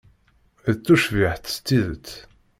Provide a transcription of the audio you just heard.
D tucbiḥt s tidet.